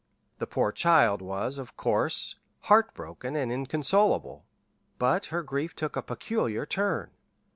"The poor child was, of course, heartbroken and inconsolable; but her grief took a peculiar turn.